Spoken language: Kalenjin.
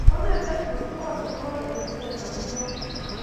Kinetech mestowot akobo kereten ako nyalunot